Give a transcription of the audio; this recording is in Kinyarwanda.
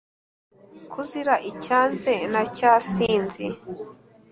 ko uzira icyanze na cya sinzi,